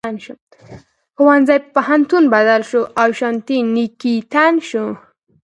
ښوونځي په پوهنتون بدل شو او شانتي نیکیتن شو.